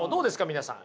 皆さん。